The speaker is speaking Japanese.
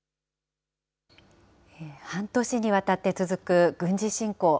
半年にわたって続く軍事侵攻。